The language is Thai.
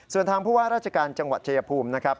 ส่วนทางผู้ว่าราชการจังหวัดชายภูมินะครับ